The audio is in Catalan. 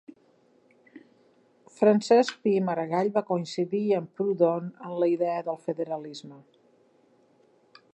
Francesc Pi i Margall va coincidir amb Proudhon en la idea de federalisme.